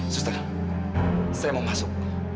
buster saya mau masuk